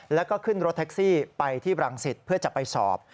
แล้วก็ขึ้นรถแท็กซี่ไปที่รังสิตเพื่อจะไปสอบ